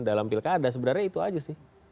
dalam pilkada sebenarnya itu aja sih